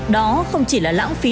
đó không chỉ là lãng phí